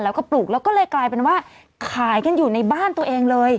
แล้วก็ปลูกแล้วก็เลยกลายเป็นว่าขายกันอยู่ในบ้านตัวเองเลย